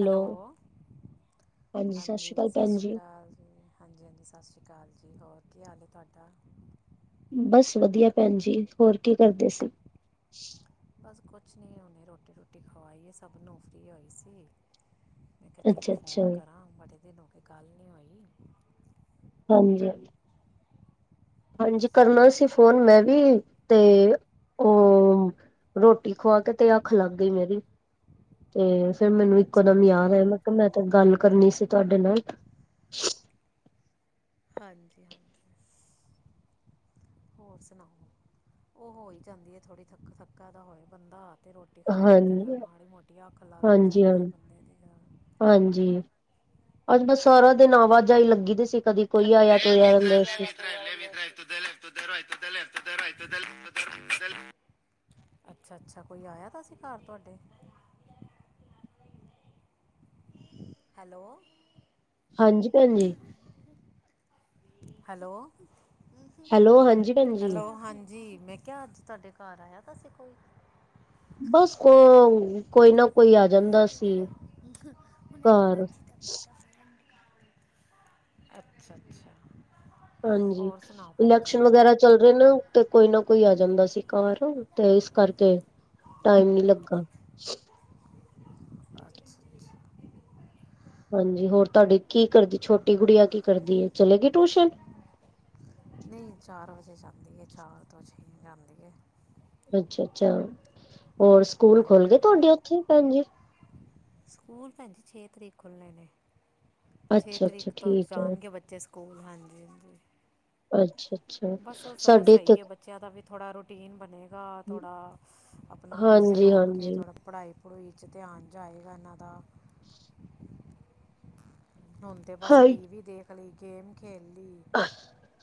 Hello ਸਤਿ ਸ਼੍ਰੀ ਹਾਂਜੀ ਅਕਾਲ ਸਤਿ ਭੈਣ ਸ਼੍ਰੀ ਜੀ ਅਕਾਲ ਜੀ ਹਾਂਜੀ-ਹਾਂਜੀ ਸਤਿ ਸ਼੍ਰੀ ਅਕਾਲ ਜੀ ਹੋਰ ਕੀ ਹਾਲ ਹੈ ਤੁਹਾਡਾ ਬਸ ਵਧੀਆ ਭੈਣ ਜੀ ਹੋਰ ਕੀ ਕਰਦੇ ਸੀ ਬਸ ਕੁਛ ਨੀ ਹੁਨੇ ਰੋਟੀ ਰੂਟੀ ਖਵਾਈ ਹੈ ਸਭ ਨੂੰ ਫਰੀ ਹੋਈ ਸੀ ਮੈਂ ਕਿਹਾ ਚਲੋ ਅੱਛਾ ਅੱਛਾ ਫੋਨ ਕਰਾਂ ਬੜੇ ਦਿਨ ਹੋ ਗ ਗੱਲ ਨਹੀਂ ਹੋਈ ਹਾਂਜੀ ਹਾਂਜੀ ਕਰਨਾ ਸੀ ਫੋਨ ਮੈਂ ਵੀ ਤੇ ਉਹ ਰੋਟੀ ਖਵਾ ਕੇ ਤੇ ਅੱਖ ਲੱਗ ਗਈ ਮੇਰੀ ਤੇ ਫੇਿਰ ਮੈਨੂੰ ਇੱਕੋ ਦਮ ਯਾਦ ਆ ਤ ਮੈਂ ਤਾਂ ਗੱਲ ਕਰਨੀ ਸੀ ਤੁਹਾਡੇ ਨਾਲ ਹਾਂਜੀ ਹਾਂਜੀ ਹੋਰ ਸੁਣਾਓ ਉਹ ਹੋ ਹੀ ਜਾਂਦੀ ਹੈ ਥੋੜ੍ਹੀ ਥੱਕ ਥੱਕਾ ਦਾ ਹੋਏ ਬੰਦਾ ਅਤੇ ਰੋਟੀ ਖਾ ਕੇਤੇ ਹਾਂਜੀ ਮਾੜੀ ਮੋਟੀ ਅੱਖ ਲੱਗ ਕੇ ਹਾਂਜੀ ਹਾਂ ਜਾਂਦੀ ਹੈ ਬੰਦੇ ਦੀ ਹਾਂਜੀ ਅੱਜ ਬਸ ਸਾਰਾ ਦਿਨ ਆਵਾਜਾਈ ਲੱਗੀ ਤੇ ਸੀ ਕਦੀ ਕੋਈ ਆਇਆ ਤੂੰਰਯਾ ਰੈਂਦਾ ਸੀ [unintelligible] ਅੱਛਾ-ਅੱਛਾ ਕੋਈ ਆਇਆ ਦਾ ਸੀਂ ਘਰ ਤੁਹਾਡੇ ਹੈਲੋ ਹਾਂਜੀ ਭੈਣ ਜੀ ਹੈਲੋ-ਹੈਲੋ ਹੈਲੋ ਹਾਂਜੀ ਭੈਣ ਜੀ ਹਾਂਜੀ ਜੀ ਮੈਂ ਕਿਹਾ ਅੱਜ ਤੁਹਾਡੇ ਘਰ ਆਇਆ ਦਾ ਸੀ ਕੋਈ ਬਸ ਕੋ ਕੋਈ ਨਾ ਕੋਈ ਆ ਜਾਂਦਾ ਸੀ ਘਰ [unintelligible] ਅੱਛਾ-ਅੱਛਾ ਹਾਂਜੀ ਇਲੈਕਸ਼ਨ ਵਗੈਰਾ ਚੱਲ ਰਹੇ ਨੇ ਤੇ ਕੋਈ ਨਾ ਕੋਈ ਆ ਜਾਂਦਾ ਸੀ ਤੇ ਇਸ ਕਰਕੇ ਟਾਈਮ ਨੀ ਲੱਗਾ ਅੱਛਾ-ਅੱਛਾ ਹਾਂਜੀ ਹੋਰ ਤੁਹਾਡੀੇ ਕੀ ਕਰਦੀ ਛੋਟੀ ਗੁੜੀਆ ਕੀ ਕਰਦੀ ਹੈ ਚਲੇ ਗੀ ਟਿਊਸ਼ਨ ਨਹੀਂ ਚਾਰ ਵਜੇ ਜਾਂਦੀ ਹੈ ਚਾਰ ਤੋਂ ਛੇ ਜਾਂਦੀ ਅੱਛਾ-ਅੱਛਾ ਹੋਰ ਸਕੂਲ ਖੁੱਲ ਗਏ ਤੁਹਾਡੇ ਉੱਥੇ ਭੈਣ ਜੀ ਸਕੂਲ ਭੈਜੀ ਛੇ ਤਰੀਕ ਖੁੱਲਨੇ ਨੇ ਛੇ ਅੱਛਾ-ਅੱਛਾ ਤਰੀਕ ਤੋਂ ਠੀਕ ਹੈ ਜਾਣਗੇ ਬੱਚੇ ਸਕੂਲ ਹਾਂਜੀ ਹਾਂਜੀ ਅੱਛਾ ਅੱਛਾ ਬਸ ਸਗੋਂ ਸਹੀ ਹੈ ਬੱਚਿਆਂ ਦਾ ਵੀ ਥੋੜ੍ਹਾ ਰੂਟੀਨ ਬਣੇਗਾ ਥੋੜ੍ਹਾ ਆਪਣਾ ਬਿਜ਼ੀ ਹੋਣਗੇ ਹਾਂਜੀ-ਹਾਂਜੀ। ਥੋੜ੍ਹਾ ਪੜ੍ਹਾਈ ਪੜ੍ਹੂਈ ਚ ਧਿਆਨ ਜਾਏਗਾ ਇਹਨਾਂ ਦਾ ਹੁਣ ਤੇ ਬਸ ਹਾਂ ਟੀ ਵੀ ਦੇਖ ਲਈ ਗੇਮ ਖੇਡ ਲਈ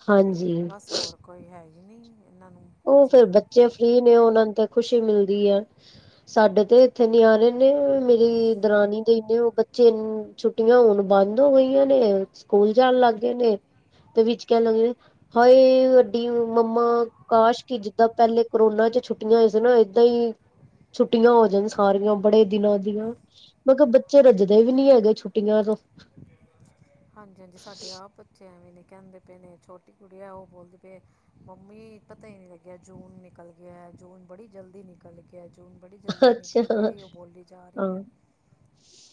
ਹਾਂਜੀ ਅਤੇ ਬਸ ਹੋਰ ਕੋਈ ਹੈ ਹੀ ਨਹੀਂ ਇਹਨਾਂ ਨੂੰ ਉਹ ਫੇਿਰ ਬੱਚੇ ਫ੍ਰਰੀ ਨੇ ਉਹਨਾਂ ਨੂੰ ਤੇ ਖੁਸ਼ੀ ਮਿਲਦੀ ਹੈ ਸਾਡੇ ਤੇ ਇੱਥੇ ਨੀ ਆ ਰਹੇ ਨੇ ਮੇਰੀ ਦਰਾਨੀ ਦੇ ਹੀ ਨੇ ਉਹ ਬੱਚੇ ਛੁੱਟੀਆਂ ਹੁਣ ਬੰਦ ਹੋ ਗਈਆਂ ਨੇ ਸਕੂਲ ਜਾਣ ਲੱਗ ਗਏ ਨੇ ਤੇ ਵਿੱਚ ਕਹਿਣ ਲੱਗੇ ਹਾਏ ਵਡੀ ਮੰਮਾ ਕਾਸ਼ ਕੀ ਜਿੱਦਾਂ ਪਹਿਲੇ ਕਰੋਨਾ ਚ ਛੁੱਟੀਆਂ ਹੋਈਆਂ ਸੀ ਨਾ ਏਦਾਂ ਹੀ ਛੁੱਟੀਆਂ ਹੋ ਜਾਣ ਸਾਰੀਆਂ ਬੜੇ ਦਿਨਾਂ ਦੀਆਂ ਮੈਂ ਕਿਹਾ ਬੱਚੇ ਰੱਜਦੇ ਵੀ ਨੀ ਹੈਗੇ ਛੁੱਟੀਆਂ ਤੋਂ ਹਾਂਜੀ ਹਾਂਜੀ ਸਾਡੇ ਆਪ ਬੱਚੇ ਐਵੇਂ ਨੀ ਕਹਿੰਦੇ ਪਏ ਨੇ ਛੋਟੀ ਕੁੜੀ ਆ ਉਹ ਬੋਲਦੀ ਪਏ ਮੰਮੀ ਪਤਾ ਹੀ ਨਹੀਂ ਲੱਗਿਆ ਜੂਨ ਨਿਕਲ ਗਿਆ ਜੂਨ ਬੜੀ ਜਲਦੀ ਨਿਕਲ ਗਿਆ ਜੂਨ ਬੜੀ ਜਲਦੀ ਅੱਛਾ ਨਿਕਲ ਗਿਆ ਉਹ ਬੋਲੀ ਜਾ ਰਹੀ ਹੈ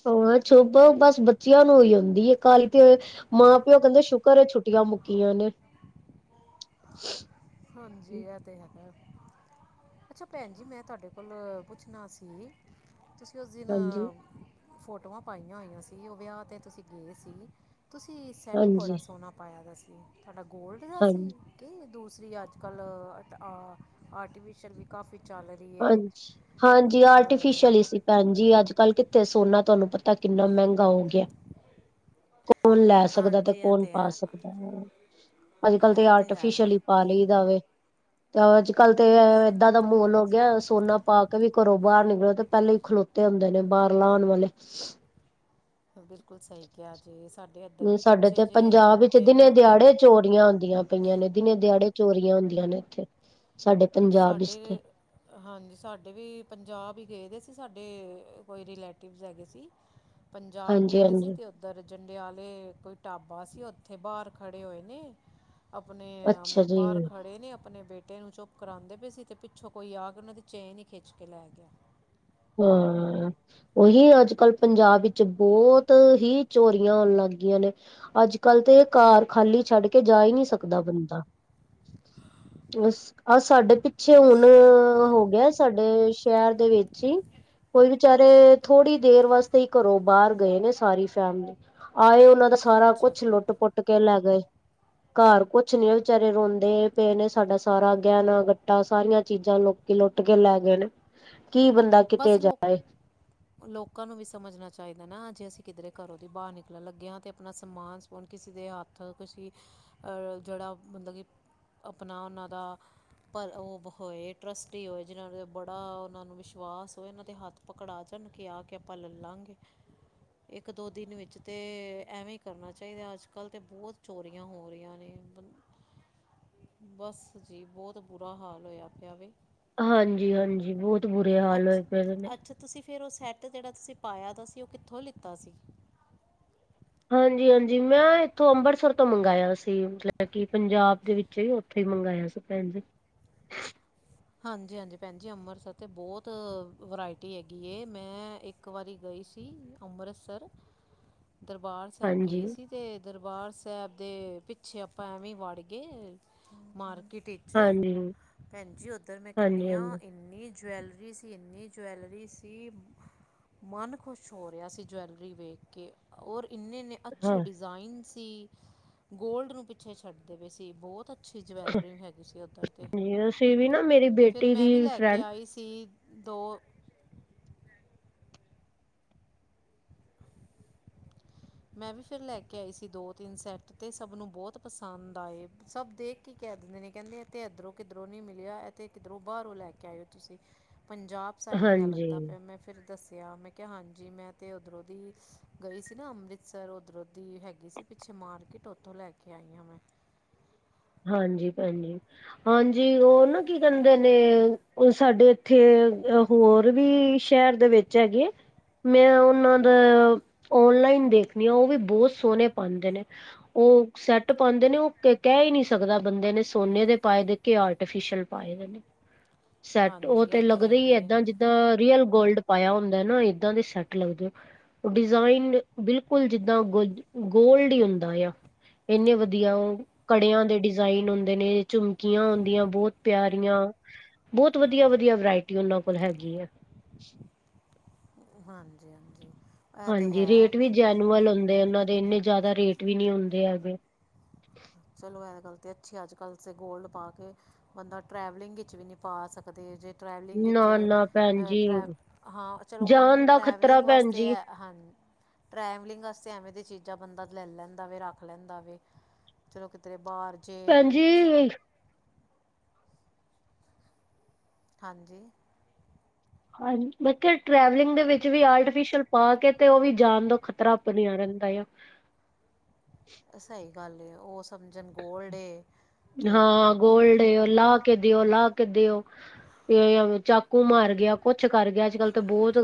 ਹਾਂ ਸ਼ੁੱਭ ਬਸ ਬੱਚਿਆਂ ਨੂੰ ਈ ਆਉਂਦੀ ਕਾਹਲੀ ਤੇ ਮਾਂ ਪਿਓ ਕਹਿੰਦੇ ਸ਼ੁਕਰ ਛੁੱਟੀਆਂ ਮੁੱਕੀਆਂ ਨੇ [inaudible] ਹਾਂਜੀ ਇਹ ਤੇ ਹੈਗਾ ਅੱਛਾ ਭੈਣ ਜੀ ਮੈਂ ਤੁਹਾਡੇ ਕੋਲ ਪੁੱਛਣਾ ਸੀ ਤੁਸੀਂ ਉਸ ਦਿਨ ਹਾਂਜੀ ਫੋਟੋਆਂ ਪਾਈਆਂ ਹੋਈਆਂ ਸੀ ਉਹ ਵਿਆਹ 'ਤੇ ਤੁਸੀਂ ਗਏ ਸੀ ਤੁਸੀਂ ਸੈੱਟ ਬੜਾ ਹਾਂਜੀ ਸੋਹਣਾ ਪਾਇਆ ਦਾ ਸੀ, ਤੁਹਾਡਾ ਗੋਲਡ ਦਾ ਸੀ ਹਾਂਜੀ ਕਿ ਦੂਸ ਜ ਅੱਜ ਕੱਲ੍ਹ ਆਰਟੀਫਿਸ਼ਲ ਵੀ ਕਾਫੀ ਚ ਹਾਂਜੀ ਹਾਂਜੀ ਆਰਟੀਫਿਸ਼ਅਲ ਹੀ ਸੀ ਭੈਣ ਜੀ ਅੱਜ ਕੱਲ ਕਿੱਥੇ ਸੋਨਾ ਤੁਹਾਨੂੰ ਪਤਾ ਕਿੰਨਾ ਮਹਿੰਗਾ ਹੋ ਗਿਆ ਕੌਣ ਲੈ ਸਕਦਾ ਤੇ ਕੌਣ ਪਾ ਸਕਦਾ ਅੱਜ ਕਲ ਤੇ ਆਰਟੀਫਿਸ਼ਲੀ ਪਾ ਲਈ ਦਾਵੇ ਤੇ ਅੱਜ ਕੱਲ ਤੇ ਏਦਾਂ ਦਾ ਮੁਲ ਸੋਨਾ ਪਾ ਕੇ ਵੀ ਘਰੋਂ ਬਾਹਰ ਨਿਕਲੋ ਤੇ ਪਹਿਲੇ ਹੀ ਖਲੋਤੇ ਹੁੰਦੇ ਨੇ ਬਾਹਰ ਲਾਉਣ ਵਾਲੇ ਬਿਲਕੁਲ ਸਹੀ ਕਿਹਾ ਜੀ, ਸਾਡੇ ਹ ਸਾਡੇ ਤੇ ਪੰਜਾਬ ਵਿੱਚ ਦਿਨੇ-ਦਿਹਾੜੇ ਚੋਰੀਆਂ ਹੁੰਦੀਆਂ ਪਈਆਂ ਨੇ ਦਿਨੇ-ਦਿਹਾੜੇ ਚੋਰੀਆਂ ਹੁੰਦੀਆਂ ਨੇ ਇੱਥੇ। ਸਾਡੇ ਪੰਜਾਬ ਵਿੱਚ ਤੇ ਸਾਡੇ ਹਾਂਜੀ, ਸਾਡੇ ਵੀ ਪੰਜਾਬ ਹੀ ਗਏ ਦੇ ਸੀ, ਸਾਡੇ ਕੋਈ ਰਿਲੇਟਿਵਸ ਹੈਗੇ ਸੀ ਪੰਜਾਬ ਹਾਂਜੀ ਗਏਦੇ ਸੀ ਹਾਂਜੀ ਤੇ ਉਧਰ ਜੰਡਿਆਂ ਵਾਲੇ ਕੋਈ ਢਾਬਾ ਸੀ, ਉੱਥੇ ਬਾਹਰ ਖੜੇ ਹੋਏ ਨੇ ਆਪਣੇ ਅੱਛਾ ਜੀ। ਬਾਹਰ ਖੜ੍ਹੇ ਨੇ, ਆਪਣੇ ਬੇਟੇ ਨੂੰ ਚੁੱਪ ਕਰਾਉਂਦੇ ਪਏ ਸੀ ਤੇ ਪਿੱਛੋਂ ਕੋਈ ਆ ਕੇ ਉਹਨਾਂ ਦੀ ਚੇਨ ਹੀਂ ਖਿੱਚ ਕੇ ਲੈ ਗਿਆ। ਹਾਂ। ਉਹੀ ਅੱਜ-ਕੱਲ੍ਹ ਪੰਜਾਬ ਵਿੱਚ ਬਹੁਤ ਹੀ ਚੋਰੀਆਂ ਹੋਣ ਲੱਗ ਗਈਆਂ ਨੇ। ਅੱਜ-ਕੱਲ੍ਹ ਤੇ ਇਹ ਘਰ ਖਾਲੀ ਛੱਡ ਕੇ ਜਾ ਹੀ ਨਹੀਂ ਸਕਦਾ ਬੰਦਾ। ਅ ਆਹ ਸਾਡੇ ਪਿੱਛੇ ਹੁਣ ਹੋ ਗਿਆ ਸਾਡੇ ਸ਼ਹਿਰ ਦੇ ਵਿੱਚ ਹੀ ਕੋਈ ਵਿਚਾਰੇ ਥੋੜ੍ਹੀ ਦੇਰ ਵਾਸਤੇ ਹੀ ਘਰੋਂ ਬਾਹਰ ਗਏ ਨੇ, ਸਾਰੀ ਫੈਮਲੀ ਆਏ, ਉਹਨਾਂ ਦਾ ਸਾਰਾ ਕੁਛ ਲੁੱਟ-ਪੁੱਟ ਕੇ ਲੈ ਗਏ। ਘਰ ਕੁਛ ਨੀ, ਵਿਚਾਰੇ ਰੋਂਦੇ ਪਏ ਨੇ ਸਾਡਾ ਸਾਰਾ ਗਹਿਣਾ-ਗੱਟਾ ਸਾਰੀਆਂ ਚੀਜ਼ਾਂ ਲੋਕੀ ਲੁੱਟ ਕੇ ਲੈ ਗਏ ਨੇ। ਕੀ ਬੰਦਾ ਕਿਤੇ ਬਸ ਲੋ ਜਾਏ ਲੋਕਾਂ ਨੂੰ ਵੀ ਸਮਝਣਾ ਚਾਹੀਦਾ ਨਾ, ਜੇ ਅਸੀਂ ਕਿੱਧਰੇ ਘਰੋਂ ਦੀ ਬਾਹਰ ਨਿਕਲਣ ਲੱਗੇ ਹਾਂ, ਤੇ ਆਪਣਾ ਸਮਾਨ ਹੁਣ ਕਿਸੀੇ ਦੇ ਹੱਥ ਕਿਸੀ, ਜਿਹੜਾ ਮੱਤਲਬ ਕਿ ਆਪਣਾ ਉਹਨਾਂ ਦਾ ਪਰ ਉਹ ਹੋਏ, ਟਰੱਸਟੀ ਹੋਏ, ਜਿਨਾਂ ਦੇ ਬੜਾ ਉਹਨਾਂ ਨੂੰ ਵਿਸ਼ -ਵਾਸ ਹੋਏ, ਇਹਨਾਂ ਦੇ ਹੱਥ ਪਕੜਾ ਜਾਣ, ਕੇ ਆ ਕੇ ਆਪਾਂ ਲੈ ਲਾਂਗੇ ਇੱਕ-ਦੋ ਦਿਨ ਵਿੱਚ ਤੇ ਐਵੇਂ ਹੀ ਕਰਨਾ ਚਾਹੀਦਾ, ਅੱਜ-ਕੱਲ੍ਹ ਤਾਂ ਬਹੁਤ ਚੋਰੀਆਂ ਹੋ ਰਹੀਆਂ ਨੇ। ਬਸ ਜੀ, ਬਹੁਤ ਬੁਰਾ ਹਾਲ ਹੋਇਆ ਪਿਆ ਵੇ। ਹਾਂਜੀ-ਹਾਂਜੀ, ਬਹੁਤ। ਬੁਰੇ ਹਾਲ ਅੱਛ, ਹੋਏ ਪਏ ਦੇ ਨੇ। ਅੱਛਾ ਤੁਸੀਂ ਫਿਰ ਉਹ ਸੈੱਟ ਜਿਹੜਾ ਤੁਸੀਂ ਪਾਇਆ ਤਾਂ ਸੀ ਉਹ ਕਿੱਥੋਂ ਲਿੱਤਾ ਸੀ? ਹਾਂਜੀ-ਹਾਂਜੀ, ਮੈਂ ਇੱਥੋਂ ਅੰਮ੍ਰਿਤਸਰ ਤੋਂ ਮੰਗਾਇਆ ਸੀ ਮੱਤਲਬ ਕਿ ਪੰਜਾਬ ਦੇ ਵਿੱਚ ਚੇ ਉੱਥੇ ਹੀ ਮੰਗਾਇਆ ਸੀ, ਭੈਣਜੀ। ਹਾਂਜੀ-ਹਾਂਜੀ, ਭੈਣਜੀ ਅੰਮ੍ਰਿਤਸਰ ਤੇ ਬਹੁਤ ਵਰਾਇਟੀ ਹੈਗੀ ਏ। ਮੈਂ ਇੱਕ ਇੱਕ ਵਾਰੀ ਗਈ ਸੀ ਅੰਮ੍ਰਿਤਸਰ, ਦਰਬਾਰ ਸਾਹਿਬ ਹਾਂਜੀ, ਗਏ ਸੀ ਤੇ ਦਰਬਾਰ ਸਾਹਿਬ ਦੇ ਪਿੱਛੇ ਆਪਾਂ ਐਵੇਂ ਵੜ ਗਏ, ਮਾਰਕੀਟ ਇ ਅਛਾ, ਹਾਂਜੀ, ਭੈਣ ਜੀ ਉੱਧਰ ਕਿੰਨੀਆਂ ਹਾਂਜੀ-ਹਾਂਜੀ ਇਕ ਇੰਨੀ ਜਵੈਲਰੀ ਸੀ, ਇੰਨੀ ਜਵੈਲਰੀ ਸੀ ਮਨ ਖੁਸ਼ ਹੋ ਰਿਹਾ ਸੀ ਜਵੈਲਰੀ ਵੇਖ ਕੇ, ਔਰ ਇੰਨੇ-ਇੰਨੇ ਅੱਛੇ ਡਿਜ਼ਾਇਨ ਸੀ, ਗੋਲਡ ਨੂੰ ਪਿੱਛੇ ਛੱਡਦੇ ਪਏ ਸੀ, ਬਹੁਤ ਅੱਛੀ ਜਵੈਲਰੀ ਹੈਗੀ ਸੀ ਉੱਧਰ ਤੇ। ਹਾਂ ਅਸੀਂ ਵੀ ਨਾ ਮੇਰੀ ਫਿਰ ਬੇਟੀ ਦੀ ਮੈਂ ਵੀ ਲੈ ਕੇ ਫਰੈਂਡ ਆਈ ਸੀ ਦੋ। [unintelligible] ਮੈਂ ਵੀ ਫਿਰ ਲੈ ਕੇ ਆਈ ਸੀ ਦੋ-ਤਿੰਨ ਸੈਟ ਤੇ ਸਭ ਨੂੰ ਬਹੁੱਤ ਪਸੰਦ ਆਏ ਸਭ ਦੇਖ ਕੀ ਕਹਿ ਦਿੰਦੇ ਨੇ ਕਹਿੰਦੇ ਤੇ ਇਧਰੋਂ ਕਿੱਧਰੋਂ ਨੀ ਮਿਲਿਆ ਤੇ ਕਿਧਰੋਂ ਬਾਹਰੋਂ ਲੈ ਕੇ ਆਏ ਓ ਤੁਸੀਂ। ਪੰਜਾਬ ਸਾਈਡ ਦਾ ਹਾਂਜੀ, ਲੱਗਦਾ ਪਿਆ, ਮੈਂ ਫਿਰ ਦੱਸਿਆ। ਮੈਂ ਕਿਹਾ, ਹਾਂਜੀ ਮੈਂ ਤੇ ਉੱਧਰੋਂ ਦੀ ਗਈ ਸੀ ਨਾ ਅੰਮ੍ਰਿਤਸਰ, ਉੱਧਰੋਂ ਦੀ ਹੈਗੀ ਸੀ ਪਿੱਛੇ ਮਾਰਕੀਟ, ਉੱਥੋਂ ਲੈ ਕੇ ਲੇਆਈ ਹਾਂ ਮੈਂ। ਹਾਂਜੀ, ਭੈਣਜੀ। ਹਾਂਜੀ, ਉਹ ਨਾ ਕੀ ਕਹਿੰਦੇ ਨੇ, ਉਹ ਸਾਡੇ ਇੱਥੇ ਹੋਰ ਵੀ ਸ਼ਹਿਰ ਦੇ ਵਿੱਚ ਹੈਗੇ? ਮੈਂ ਉਹਨਾਂ ਦਾ ਓਨਲਾਈਨ ਦੇਖਣੀ ਆ, ਉਹ ਵੀ ਬਹੁੱਤ ਸੋਹਣੇ ਪਾਉਂਦੇ ਨੇ। ਉਹ ਸੈੱਟ ਪਾਉਂਦੇ ਨੇ, ਉਹ ਕ ਕਹਿ ਹੀ ਨਹੀਂ ਸਕਦਾ ਬੰਦੇ ਨੇ ਸੋਨੇ ਦੇ ਪਾਏ ਦੇ ਕੇ ਆਰਟੀਫਿਸ਼ਲ ਪਾਏ ਨੇ, ਸੈੱਟ, ਉਹ ਤੇ ਲੱਗਦਾ ਹੀ ਏਦਾਂ ਜਿੱਦ ਰੀਅਲ ਗੋਲਡ ਪਾਇਆ ਹੁੰਦਾ ਨਾ ਏਦਾਂ ਦੇ ਸੈੱਟ ਲੱਗਦੇ। ਡਿਜ਼ਾਇਨ ਬਿਲਕੁੱਲ ਜਿੱਦਾਂ ਗੋਲਡ ਹੀ ਹੁੰਦਾ ਆ। ਇੰਨੇ ਵਧੀਆ ਉਹ ਕੜਿਆਂ ਦੇ ਡਿਜ਼ਾਇਨ ਹੁੰਦੇ ਨੇ ਝੁਮਕੀਆਂ ਹੁੰਦੀਆਂ ਬਹੁਤ ਪਿਆਰੀਆਂ। ਬਹੁਤ ਵਧੀਆ-ਵਧੀਆ ਵਰਾਇਟੀ ਉਹਨਾਂ ਕੋਲ ਹੈਗੀ ਹੈ। ਹਾਂਜੀ-ਹਾਂਜੀ ਹਾਂਜੀ ਰੇਟ ਵੀ ਜੈਨੂਅਨ ਹੁੰਦੇ ਉਹਨਾਂ ਦੇ ਇੰਨੇ ਜ਼ਿਆਦਾ ਰੇਟ ਵੀ ਨਹੀਂ ਹੁੰਦੇ ਹੈਗੇ। ਚਲੋ ਇਹ ਗੱਲ ਤੇ ਅੱਛੀ ਅੱਜਕੱਲ ਵਿਚ ਗੋਲਡ ਪਾ ਕੇ ਬੰਦਾ ਟਰੈਵਲਿੰਗ ਵਿੱਚ ਵੀ ਨਹੀਂ ਪਾ ਸਕ ਕਦੇ ਜੇ ਟਰੈਵਲਿੰਗ ਨਾ ਵਿੱਚ ਨਾ ਭੈਣ ਜੀ ਹਾਂ ਚਲੋ ਉਂਝ ਜਾਨ ਦਾ ਖ਼ਤਰਾ ਟਰੈਵਲਿੰਗ ਭੈਣ ਵਾਸਤੇ ਜੀ ਹੈ ਹਾਂਜੀ। ਟਰੈਵਲਿੰਗ ਵਾਸਤੇ ਐਵੇਂ ਦੀਆਂ ਚੀਜ਼ਾਂ ਬੰਦਾ ਲੈ ਲੈਂਦਾ ਵੇ ਰੱਖ ਲੈਂਦਾ ਵੇ। ਚਲੋ ਕਿਧਰੇ ਬਾਹਰ ਭੈਣਜੀ ਹਾਂਜੀ ਹਾਂਜੀ ਮੈਂ ਕਿਹਾ ਟ੍ਰੈਵਲਿੰਗ ਦੇ ਵਿੱਚ ਵੀ ਆਰਟੀਫਿਸ਼ਅਲ ਪਾ ਕੇ ਤੇ ਉਹ ਵੀ ਜਾਣ ਦਾ ਖ਼ਤਰਾ ਬਨਿਆ ਰਹਿੰਦਾ ਹੈ। ਸਹੀ ਗੱਲ ਉਹ ਸਮਝਣ ਗੋਲਡ ਏ ਤੇ ਹਾਂ ਗੋਲਡ ਲਾ ਕੇ ਦਿਓ ਲਾ ਕੇ ਦਿਓ। ਤੇ ਚਾਕੂ ਮਾਰ ਗਿਆ ਕੁਛ ਕਰ ਗਿਆ ਅੱਜਕੱਲ੍ਹ ਤਾਂ ਬਹੁਤ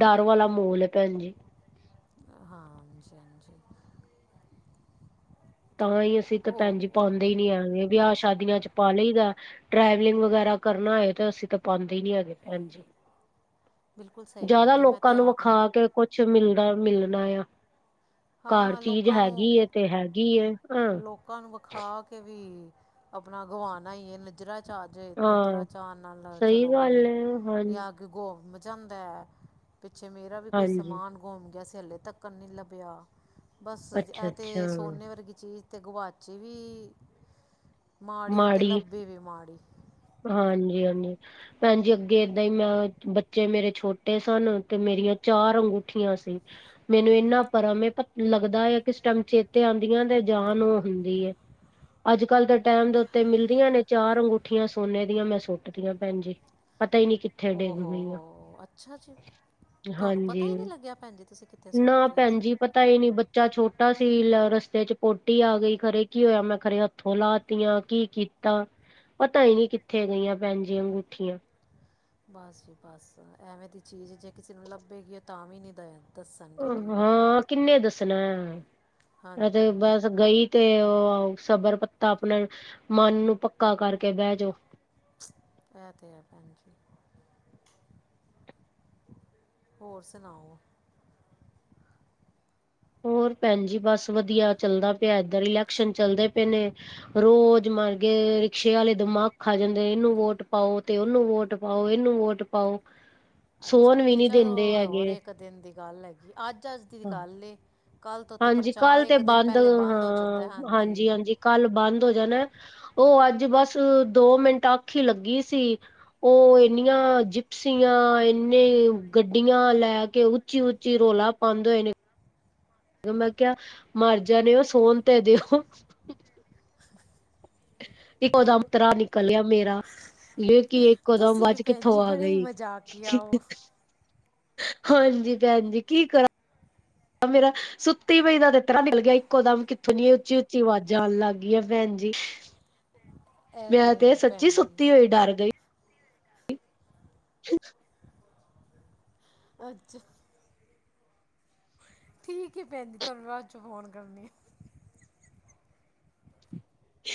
ਡਰ ਵਾਲਾ ਮਾਹੌਲ ਹੈ ਭੈਣ ਜੀ। ਹਾਂ ਹਾਂਜੀ-ਹਾਂਜੀ। ਤਾਂ ਹੀ ਅਸੀਂ ਤਾਂ ਭੈਣ ਜੀ ਪਾਂਦੇ ਹੀ ਨਹੀਂ ਹੈਗੇ ਵਿਆਹ ਸ਼ਾਦੀਆਂ 'ਚ ਪਾ ਲਈ ਦਾ। ਟਰੈਵਲਿੰਗ ਵਗੈਰਾ ਕਰਨਾ ਹੋਏ ਤੇ ਅਸੀਂ ਤਾਂ ਪਾਉਂਦੇ ਨੀ ਹੈਗੇ ਭੈਣ ਜੀ। ਜ਼ਿਆਦਾ ਲੋਕਾਂ ਨੂੰ ਵਿਖਾ ਕੇ ਕੁਛ ਮਿਲਣਾ ਮਿਲਣਾ ਆ। ਘਰ ਚੀਜ਼ ਹੈਗੀ ਏ ਤੇ ਹੈਗੀ ਏ। ਹਾਂ ਲੋਕਾਂ ਨੂੰ ਵਿਖਾ ਕੇ ਵੀ, ਆਪਣਾ ਗਵਾਣਾ ਹੀ ਹੈ ਨਜਰਾਂ ਚ ਆਜੇ ਨਜ਼ਰਾਂ ਹਾਂ। ਚ ਆਣ ਨਾਲ ਸਹੀ ਚਲੋ ਗੱਲ ਬਾਈ ਏ ਹਾਂ ਜਾਂ ਗੁੰਮ ਜਾਂਦਾ, ਪਿੱਛੇ ਮੇਰਾ ਵੀ ਕੋਈ ਹਾਂਜੀ ਸਮਾਨ ਗੁੰਮਮ ਗਿਆ ਸੀ ਹਲੇੇ ਤੱਕ ਨਹੀਂ ਲੱਭਿਆ ਬਸ ਇਹ ਅੱਛਾ-ਅੱਛਾ ਤੇ ਸੋਨੇ ਵਰਗੀ ਚੀਜ਼ ਤੇ ਗੁਵਾਚੀ ਵੀ, ਮਾੜੀ ਤੇ ਲੱਭੀ ਵੀ ਮਾੜੀ। ਹਾਂਜੀ-ਹਾਂਜੀ ਭੈਣ ਜੀ ਅੱਗੇ ਏਦਾਂ ਹੀ ਮੈਂ ਬੱਚੇ ਮੇਰੇ ਛੋਟੇ ਛੋਟੇ ਸਨ ਤੇ ਮੇਰੀਆਂ ਚਾਰ ਅੰਗੂਠੀਆਂ ਸੀ। ਮੈਨੂੰ ਇੰਨਾ ਪਰਮ ਲੱਗਦਾ ਆ ਕਿਸ ਟਾਈਮ ਚੇਤੇ ਆਉਂਦੀਆਂ ਤੇ ਜਾਨ ਉਹ ਹੁੰਦੀ ਏ। ਅੱਜਕੱਲ੍ਹ ਤਾਂ ਟੈਮ ਦੇ ਉੱਤੇ ਮਿਲਦੀਆਂ ਨੇ ਚਾਰ ਅੰਗੂਠੀਆਂ ਸੋਨੇ ਦੀਆਂ ਮੈਂ ਸੁੱਟਦੀਆਂ ਭੈਣ ਜੀ, ਪਤਾ ਹੀ ਨੀ ਓ ਹੋ ਹੋ ਹੋ ਅੱਛਾ ਜੀ। ਤੁਹਾਨੂੰ ਪਤਾ ਹਾਂਜੀ ਹੀ ਨਹੀਂ ਲੱਗਿਆ ਭੈਣ ਜੀ ਤੁਸੀਂ ਕਿੱਥੇ ਸੁੱਟਤੀਆਂ ਸੀ? ਤਾ ਹੀ ਨੀ ਬੱਚਾ ਛੋਟਾ ਸੀ ਰਸਤੇ 'ਚ ਪੋਟੀ ਆ ਗਈ ਖਰੇ ਕੀ ਹੋਇਆ ਮੈਂ ਖਰੇ ਹੱਥੋਂ ਲਾ ਤੀਆਂ ਕੀ ਕੀਤਾ, ਪਤਾ ਹੀ ਨਹੀਂ ਕਿੱਥੇ ਗਈਆਂ ਭੈਣ ਜੀ ਅੰਗੂਠੀਆਂ। ਬਸ ਜੀ ਬਸ ਐਵੇਂ ਦੀ ਚੀਜ਼ ਜੇ ਕਿਸੇ ਨੂੰ ਲੱਭੇਗੀ ਉਹ ਤਾਂ ਵੀ ਨਹੀਂ ਦਏਗਾ। ਹਾਂ ਕਿੰਨੇ ਦੱਸਣਾ, ਇਹ ਤੇ ਬਸ ਗਈ ਤੇ ਉਹ ਸਬਰ ਪੱਤਾ ਆਪਣਾ ਮਨ ਨੂੰ ਪੱਕਾ ਕਰਕੇ ਬਹਿ ਜਾਓ। ਏ ਤੇ ਹੈ ਭੈਣ ਜੀ। ਹੋਰ ਸੁਣਾਓ। ਹੋਰ ਭੈਣ ਜੀ ਬਸ ਵਧੀਆ ਚੱਲਦਾ ਪਿਆ ਇੱਧਰ ਇਲੈਕਸ਼ਨ ਚੱਲਦੇ ਪਏ ਨੇ। ਰੋਜ਼ ਮਰਗੇ ਰਿਕਸ਼ੇ ਵਾਲੇ ਦਿਮਾਗ ਆ ਜਾਂਦੇ ਇਹਨੂੰ ਵੋਟ ਪਾਓ ਤੇ ਉਹਨੂੰ ਵੋਟ। ਪਾਓ ਇਹਨੂੰ ਵੋਟ ਪਾਓ ਅੱਛਾ ਸੋਣ ਵੀ ਨੀ ਚਲੋ ਦਿੰਦੇ ਹੋਰ ਹੈਗੇ ਇੱਕ ਇੱਕ ਦਿਨ ਦੀ ਗੱਲ ਹੈਗੀ ਅੱਜ ਅੱਜ ਦੀ ਹਾਂ ਗੱਲ ਕੱਲ ਤੋਂ ਤੇ ਹਾਂਜੀ ਪ੍ਰਚਾਰ ਕੱਲ ਤੇ ਇੱਕ ਦਿਨ ਬੰਦ ਪਹਿਲੇ ਬੰਦ ਹੋ ਹਾਂ ਜਾਂਦਾ ਹਾਂਜੀ ਕੱਲ ਬੰਦ ਹੋ ਜਾਣਾ ਉਹ ਅੱਜ ਬਸ ਦੋ ਮਿੰਟ ਅੱਖ ਲੱਗੀ ਸੀ ਉਹ ਇੰਨੀਆਂ ਜਿਪਸੀਆਂ ਇੰਨੇ ਗੱਡੀਆਂ ਲੈ ਕੇ ਉੱਚੀ ਉੱਚੀ ਰੌਲਾ ਪਾਉਂਦੇ ਹੋਏ ਨੇ ਮੈਂ ਕਿਹਾ ਮਰ ਜਾਣੇ ਉਹ ਸੋਣ ਤੇ ਦਿਓ ਇੱਕੋ ਦਮ ਤਰਾ ਨਿਕਲਿਆ ਮੇਰਾ ਲ ਕਿ ਇੱਕੋ ਦਮ ਅਵਾਜ਼ ਕਿੱਥੋਂ ਆ ਗਈ ਹਾਂਜੀ ਭੈਣ ਜੀ ਕੀ ਕਰਾਂ ਮੇਰਾ ਸੁੱਤੀ ਪਈ ਦਾ ਤਰਾਹ ਨਿਕਲ ਗਿਆ ਇੱਕੋ ਦਮ ਕਿੱਥੋਂ ਨੀ ਉੱਚੀ ਉੱਚੀ ਆਵਾਜ਼ ਆਉਣ ਲੱਗ ਗਈ ਆ ਭੈਣ ਜੀ ਵਿਆਹ ਤੇ ਸੱਚੀ ਸੁੱਤੀ ਹੋਈ ਡਰ ਗਈ ਹ ਅੱਛਾ ਠੀਕ ਏ ਭੈਣ ਜੀ ਤੁਹਾਨੂੰ ਬਾਅਦ ਚੋਂ ਫੋਨ ਕਰਨੀ ਆ ਹ